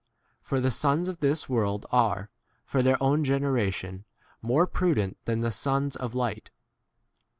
For the sons of this world are, for their own generation, more pru 9 dent than the sons of light.